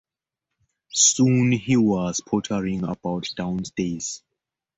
Soon he was pottering about downstairs.